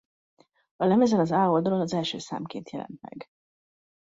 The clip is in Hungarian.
A lemezen az A oldalon az első számként jelent meg.